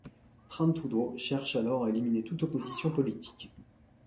Trần Thủ Độ cherche alors à éliminer toute opposition politique.